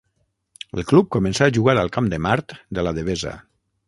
El club començà a jugar al Camp de Mart de la Devesa.